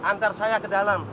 antar saya ke dalam